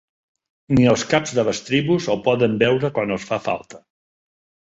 Ni els caps de les tribus el poden veure quan els fa falta.